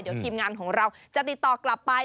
เดี๋ยวทีมงานของเราจะติดต่อกลับไป